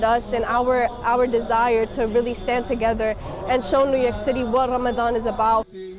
dan keinginan kami untuk berdiri bersama dan menunjukkan ke new york city apa yang berkaitan ramadan